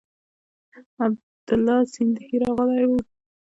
عبیدالله سیندهی راغلی وو.